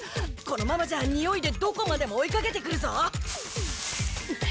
このままじゃにおいでどこまでも追いかけてくるぞ。